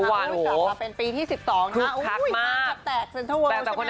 สามารถเป็นปีที่๑๒ค่ะอุ้ยมันกับแตกเซ็นทรัลเวิลด์ใช่ไหมครับคุณค่ะ